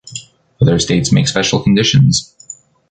Other states make special conditions.